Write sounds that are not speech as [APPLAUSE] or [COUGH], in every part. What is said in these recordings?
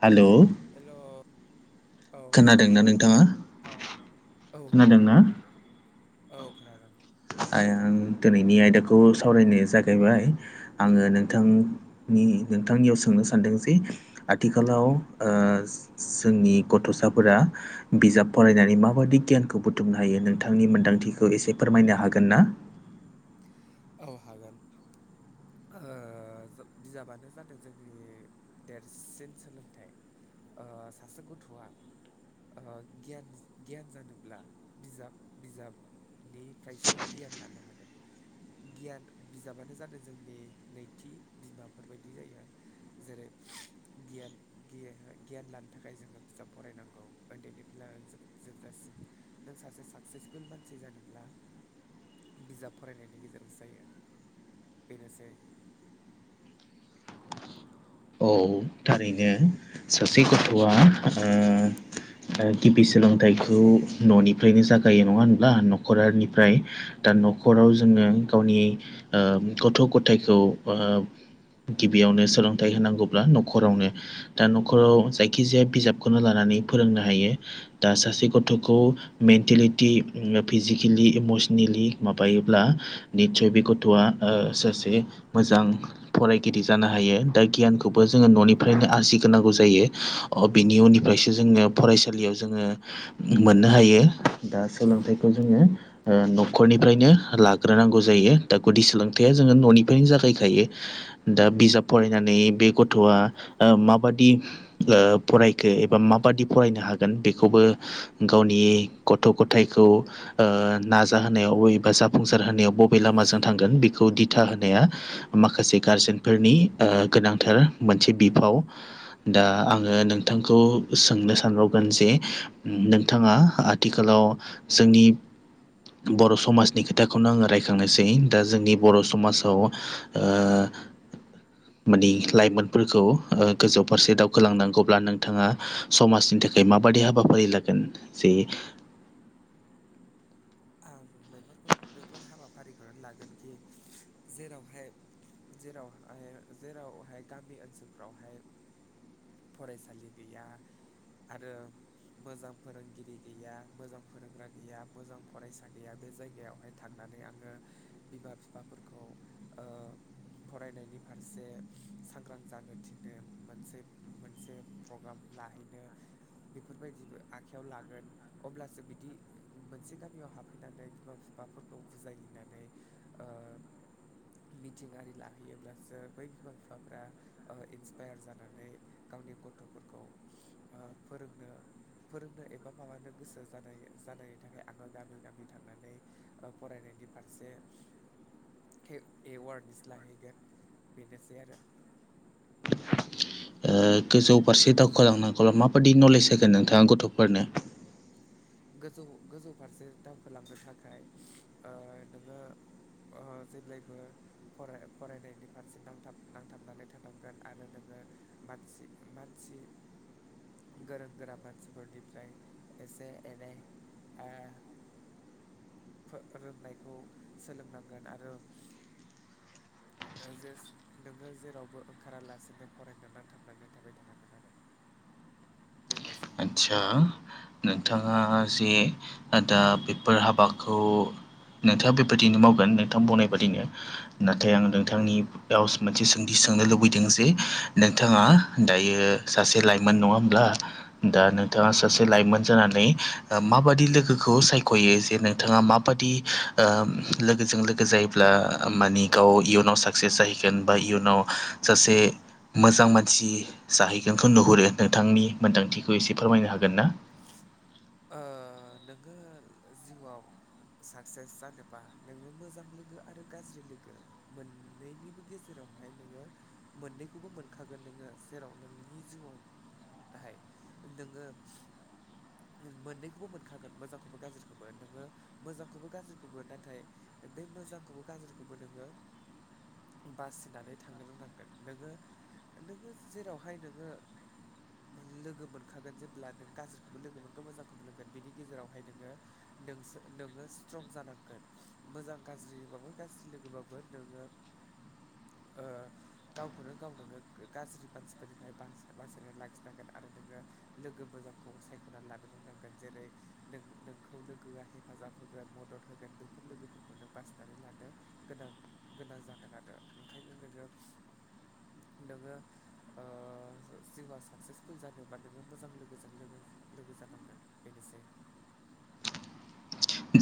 Hello hello औ hello खोनादोंना नोंथांङा औ खोनादों औ खोनादों आइ आं दिनैनि आयदाखौ सावरायनाय जागायबाय आंङो नोंथांनि नोंथांनियाव सोंनो सानदों जे आथिखालाव जोंनि गथ'साफोरा बिजाब फरायनानै माबायदि गियानखौ बुथुमनो हायो नोंथांनि मोन्दांथिखौ एसे फोरमायनो हागोन ना औ हागोन बिजाबानो जादों जोंनि देरसिन सोलोंथाइ सासे गथ'आ गियान गियान जानोब्ला बिजाब बिजाब निफ्रायसो गियान लानो हागोन गियान बिजाबानो जादों जोंनि नैथि बिमाफोरबायायदि जायो। जेरै गियान गियान लानो थाखाय जोंङो बिजाब फरायनांगौ उन्दैनिफ्राय लानानै जोबजासिम नों सासे साक्सेसफुल मानसि जानोब्ला बिजाब फरायनायनि गेजेरजों गिर जायो बेनोसै औ थारैनो सासे गथ'आ गिबि सोलोंथाइखौ न'निफ्रायनो जागायो नंङा होनब्ला न'खरनिफ्राय दा न'खराव जोंङो गावनि गथ' गथायखौ गिबियावनो सोलोंथाइ होनांगौब्ला न'खरावनो दा न'खराव जायखिजाया बिजाबखौनो लानानै फोरोंनो हायो दा सासे गथ'खौ मेन्टेलिटि फिजिकेलि इमसनेलि माबायोब्ला निसय बे गथ'आ सासे मोजां फरायगिरि जानो हायो दा गियानखौ खौबो जोंङो न'निफ्रायनो आरजिग्रोनांगौ जायो बिनि उननिफ्रायसो जोंङो फरायसालियाव जोंङो मोननो हायो दा सोलोंथाइखौ जोंङो न'खरनिफ्रायनो लाग्रोनांगौ जायो दा गुदि सोलोंथायया जोंङो न'निफ्रायनो जागायखायो दा बिजाब फरायनानै बे गथ'आ माबादि फरायखो एबा माबादि फरायनो हागोन बेखौबो गावनि गथ' गथायखौ नाजाहोनायाव बबे एबा जाफुंसार होनायाव बबे लामाजों थांगोन बेखौ दिथा होनाया माखासे गारजेनफोरनि गोनांथार मोनसे बिफाव दा आंङो नोंथांखौ सोंनो सानबावगोन जे नोंथांङा आथिखालाव जोंनि बर' समाजनि खोथाखौनो आंङो रायखांनोसै दा जोंनि बर' समाजाव माने लाइमोन फोरखौ गोजौ फारसे दावखोलांनांगौब्ला नोंथांङा समाजनि थाखाय माबायदि हाबाफारि लागोन जोंङो आं बेफोरखौ बेफोर हाबाफारिखौनो लागोनखि जेरावहाय जेरावहाय जेरावहाय गामि ओनसोलफोरावहाय फरायसालि गैया आरो मोजां फोरोंगिरि गैया मोजां फोरोंग्रा गैया मोजां फरायसा गैया बे जायगायावहाय थांनानै आंङो बिमा बिफाफोरखौ फरायनायनि फारसे सांग्रां जानो थिननो मोनसे मोनसे प्रग्राम लाहैनो बेफोरबायदिबो आखायाव लागोन अब्लासो बिदि मोनसे गामियाव हाबफैनानै बिमा बिफाफोरखौ बुजायहैनानै मिथिं आरि लाहैयोब्लासो बै बिमा बिफाफ्रा इन्सपायार जानानै गावनि गथ'फोरखौ फोरोंनो फोरोंनो एबा माबानो गोसो जानाय जानायनि थाखाय आङो गामि गामि थांनानै फरायनायनि फारसे एवारनेस लाहैगोन बेनोसै आरो ओ गोजौ फारसे दावखालांनांगौब्ला माबायदि नलेज होगोन नोंथाङा गथ'फोरनो गोजौ गोजौ फारसे दावखोलांनो थाखाय नोङो ओ जेब्लाबो फराय फरायनायनि फारसे नांथाब नांथाबनानै थानांगोन आरो नोङो मानसि मानसि गोरों गोरा मानसिफोरनिफ्राय एसे एनै ओ रोंनायखौ सोलोंनांगोन आरो जे नोङो जेरावबो ओंखारालासेनो फरायनानै थांनानै थाबाय थानांगोन आरो [INAUDIBLE] बेनोसै आदसा नोंथाङा जे दा बेफोर हाबाखौ नोंथाङा बेबायदिनो मावगोन नोंथाङा बुंनाय बादिनो नाथाय आं नोंथांनि बेयाव मोनसे सोंथि सोंनो लुबैदों जे नोंथाङा दायो सासे लाइमोन नङा होमब्ला दा नोंथाङा सासे लाइमोन जानानै माबादि लोगोखौ सायख'यो जे नोंथाङा मा खाबादि लोगोजों लोगो जायोब्ला माने गोबां गाव इयुनाव साक्सेस जाहैगोन बा इयुनाव सासे मोजां मानसि जाहैगोनखौ नुहुरो नोंथांनि मोन्दांथिखौ बे खौ एसे फोरमायनो हागोन ना नोङो जिउआव साक्सेस जानोबा नोङो मोजां लोगो आरो गाज्रि लोगो मोननैनिबो गेजेरावहाय नोङो मोननैखौबो मोनखागोन नोङो जेराव नोंनि जिउआव नाहाय नोङो मोननैखौबो मोनखागोन मोजांखौबो गाज्रिखौबो नोङो मोजांखौबो गाज्रिखौबो नाथाय बे मोजांखौबो गाज्रिखौबो नोङो बासिनानै थांनो रोंनांगोन नोङो नोङो जेरावहाय नोङो लोगो मोनखागोन जेब्ला नों गाज्रिखौबो लोगो मोन खौ मोजांखौलोंगोन बिनि गेजेरावहाय नोङो नोंसो नोङो स्ट्रं जानांगोन मोजां गाज्रिबाबो गाज्रि लोगोबाबो नोङो गावखौनो गाव नोङो गाज्रि मानसिफोरनिफ्राय बासायना लाखिनांगोन आरो नोङो लोगो मोजांखौ सायख'नानै लानो रोंनांगोन जेरै नों नोंखौ लोगोआ हेफाजाब होगोन मदद होगोन बेफोर लोगोफोरखौ नों बासिनानै लानो गोनां गोनां जागोन आरो ओंखायनो नोङो नोङो जिउआ साकसेसफुल जानोबा नोङो मोजां लोगोजों लोगो जानांगौ ओ बेनोसै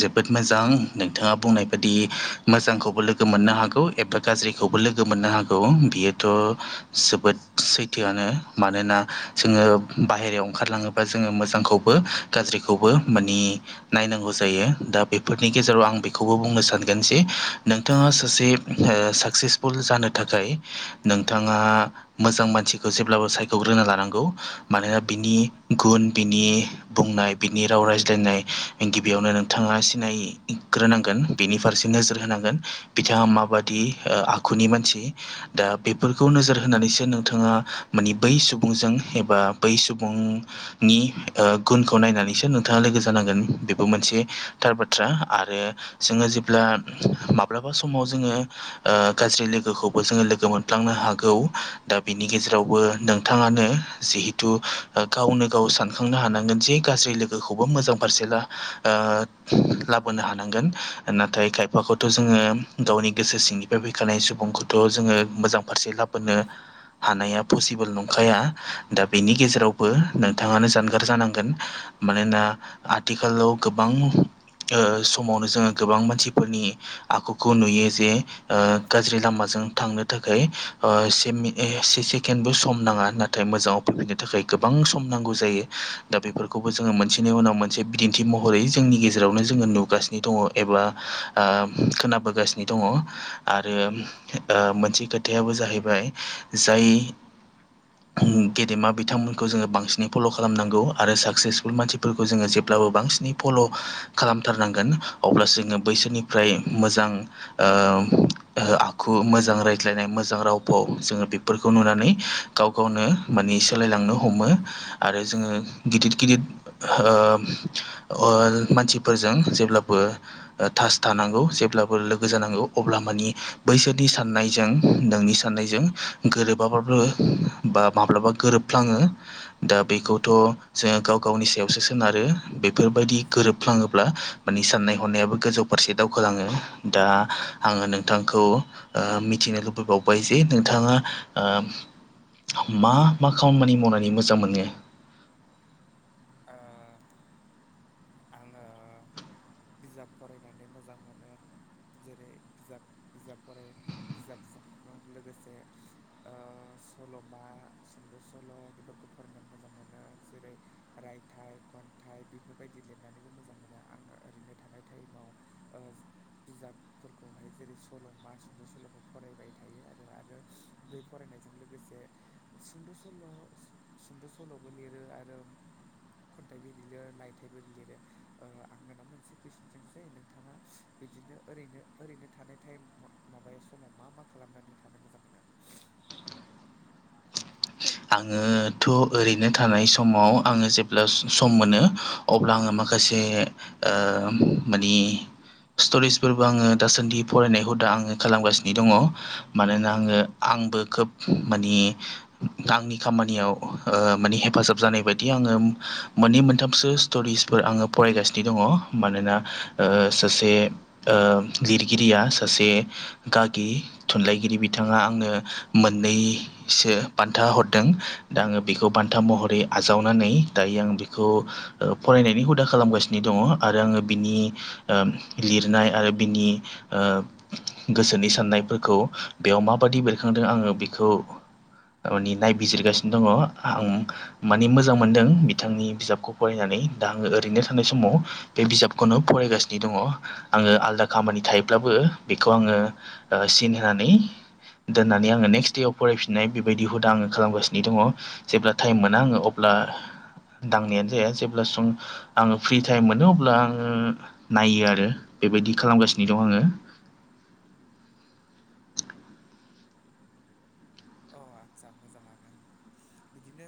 जोबोद मोजां नोंथाङा बुंनाय बाददि मोजांखौबो लोगो मोननो हागौ एबा गाज्रिखौबो लोगो मोननो हागौ बियोथ' जोबोद सैथोआनो मानोना जोङो बाहेरायाव ओंखारलाङोबा जोङो मोजांखौबो गाज्रिखौबो माने नायनांगौ जायो दा बेफोरनि गेजेराव आं बेखौबो बुंनो सानगोन जे नोंथाङा सासे साकसेस फुल जानो थाखाय नोंथाङा मोजां मानसिखौ जेब्लाबो सायख'ग्रोना लानांगौ मानोना बिनि गुन बिनि बुंनाय बिनि राव रायज्लायनाय बेयावनो नोंथाङा सिनायग्रोनांगोन बेनि फारसे नोजोर होनांगोन बिथाङा माबाददि आ आखुनि मानसि दा बेफोरखौ नोजोर होनानैसो नोंथाङा माने बै सुबुंजों एबा बै सुबुं नि गुनखौ नायनानैसो नोंथाङा लोगो जानांगोन बे बो मोनसेथार बाथ्रा आरो जोङो जेब्ला माब्लाबा समाव जोङो ओ गाज्रि लोगोखौबो जोङो लोगो मोनफ्लांनो हागौ दा बिनि गेजेरावबो नोंथाङानो जिहेथु ओ गावनो गाव सानखांनो हानांगोन जे गाज्रि लोगोखौबो मोजां फारसे ला ओ लाबोनो हानांगोन नाथाय खायफाखौथ जोङो गावनि गोसो सिंनिफ्राय फैखानाय सुबुंखौथ जोङो मोजां फारसे लाबोनो हानाया पसिबोल नंखाया दा बेनि गेजेरावबो नोंथाङानो जानगार जानांगोन मानोना आथिखालाव गोबां समावनो जोङो गोबां मानसिफोरनि आखखौ नुयो जे ओ गाज्रि लामाजों थांनो थाखाय ओ से मि से सेकेणडबो सम नाङा हो नाथाय मोजाङाव फैफिनो थाखाय गोबां सम नांगौ जायो दा बेफोरखौबो जोङो मोनसेनि उनाव मोन से बिदिन्थि महरै जोंनि गेजेरावनो जोङो नुगासिनो दङ एबा आ खोनाबोगासिनो दङ। आरो मोनसे ओ खोथायाबो जाहैबाय जाय गेदेमा बिथांमोनखौ जोङो बांसिनै फल' खालामनांगौ आरो साकसेसफुल मानसिफोरखौ जोङो जे ब्लाबो बांसिनै फल' खालामथारनांगोन अब्लासो जोङो बैसोरनिफ्राय मोजां ओ आखु मोजां रायज्लायनाय मोजां राव फाव जोङो बेफोरखौ नुनानै गाव गावनो माने सोलायलांनो हमो आरो जोङो गिदिर गिदिर ओ अर मानसिफोरजों जेब्लाबो ओ थास थानांगौ जेब्लाबो लोगो जानांगौ अब्ला मानि बैसोरनि साननायजों नोंनि सा साननायजों गोरोबाब्लाबो बा माब्लाबा गोरोबफ्लाङो दा बेखौथ' जोङो गाव गावनि सायावसो सोनारो। बेफोरबायदि गोरोबफ्लाङोब्ला माने साननाय हनायाबो गोजौ फारसे दावखोलाङो। दा आङो नोंथांखौ ओ मिथिनो लुबैबावबाय जे नोंथाङा आ मा मा खामानि मावनानै मोजां मोनो? आ आङो बिजाब फरायनानै मोजां मोनो। जेरै बिजाब बिजाब फराय बिजाबजों लोगोसे ओ सल'मा सुंद' सल' बेफोरखौ फरायनानै मोजां मोनो जेरै रायथाइ खन्थाइ बेफोरबायदि दि लिरनानैबो मोजां मोनो आं ओरैनो थानाय टाइमाव ओ बिजाब फोरखौहाय जेरै सल' मा सुंद' सल'खौ फरायबाय थायो आरो आरो बै फरायनायजों लोगोसे सुंद' सल' सुंद' सल'बो लिरो आरो खन्थाइबो लिलो रायथाइबो लिरो ओ आं नोंनाव मोनसे कुइसन सोंसै जायो नोंथाङा बिदिनो ओरैनो ओरैनो थानाय टाइमाव माबायाव समाव मा मा खालामनानै थानो मोजां मोनो? आङोथ' ओरैनो थानाय समाव आङो जेब्ला सम मोनो अब्ला आङो माखासे मानि स्ट'रिसफोरबो आङो दासान्दि फरायनाय हुदा आङो खालामगासिनो दङ मानोना आङो आंबो खोब मानि आंनि खामानियाव ओ माने हेफाजाब जानाय बायदि आङो मोननै मोनथामसो स्ट'रिसफोर आङो फरायगासिनो दङ मानोना ओ सासे ओ लिरगिरिया सासे गागि थुनलाइगिरि बिथाङा आंनो मोननैसो बान्था हरदों दा आङो बेखौ बान्था महरै आजावनानै दायो आं बेखौ ओ फरायनायनि हुदा खालामगासिनो दङ आरो आङो बिनि ओ लिरनाय आरो बिनि ओ गोसोनि साननायफोरखौ बेयाव माबादि बेरखांदों आङो बिखौ दामानि नायबिजिरगासिनो दङ आं मानि मोजां मोनदों बिथांनि बिजाबखौ फरायनानै दा आङो ओरैनो थानाय समाव बे बिजाबखौनो फरायगासिनो दङ आङो आलादा खामानि थायोब्लाबो बेखौ आङो सिन होनानै दोननानै आङो नेक्स्ट देयाव फरायफिननाय बायदि हुदा आङो खालामगासिनो दङ जेब्ला टाइम मोना आङो अब्ला दांनायानो जाया जेब्ला जों आङो फ्रि टाइम मोनो अब्ला आङो नायो आरो बेबायदि खालामगासिनो दं आङो अ आस्सा मोजाङानो बिदिनो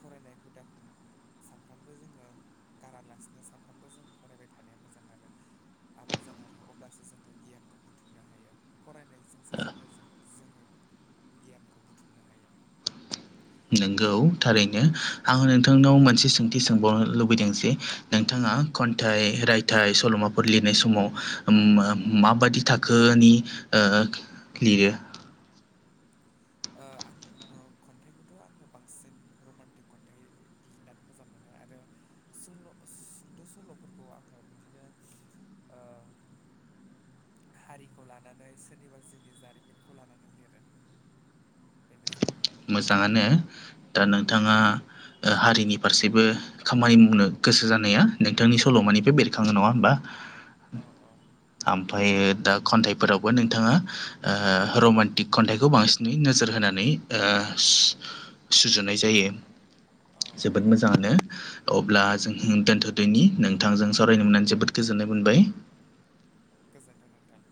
फरायनाय हुदाखौ सानफ्रामबो जोङो गारालासिनो सानफ्रामबो जों फरायबाय थानाया मोजां आरो मोजां आरो अब्लासो जोङो गियानखौ बुथुमनो हायो फरायनायजोंसो जोङो जों जोङनि गियानखौ बुथुमनो हाया। नोंगौ थारैनो आं नोंथांनाव मोनसे सोंथि सोंबावनो लुबैदों जे नोंथाङा खन्थाइ रायथाइ सल'माफोर लिरनाय समाव माबाददि थाख थाखोनि लिरो आङो खन्थाइखौथ' आङो बांसिन रमान्टिक खन्थाइ लिरनानै मोजां मोनो आरो सल' सुंद' सल'फोरखौ आङो बिदिनो हारिखौ लानानै सोरनिबा जिउनि जारिमिनखौ लानानै लिरो बेनो मोजाङानो दा नोंथाङा हारिनि फारसेबो खामानि मावनो गोसो जानाया नोंथांनि सल'मानिफ्राय बेरखाङो नङा होमबा? औ औ। ओमायो दा खन्थाइफोरावबो नोंथाङा रमान्टिक खन्थाइखौ बांसिन नोजोर होनानै सुजुनाय औ जायो। मोजाङानो अब्ला जों दोनथ'दैनि नोंथांजों सावरायनो मोननानै जोबोद गोजोननाय मोनबाय गोजोन्थों नोंथां।